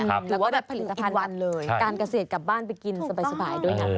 แล้วก็แบบผลิตภัณฑ์เลยการเกษตรกลับบ้านไปกินสบายด้วยนะ